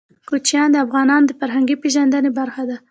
کوچیان د افغانانو د فرهنګي پیژندنې برخه ده.